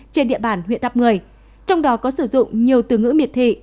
trên địa bàn huyện tháp một mươi trong đó có sử dụng nhiều từ ngữ miệt thị